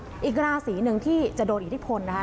อีกราศีหนึ่งที่จะโดนอิทธิพลนะคะ